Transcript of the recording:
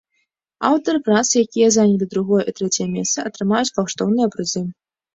Аўтары прац, якія занялі другое і трэцяе месцы, атрымаюць каштоўныя прызы.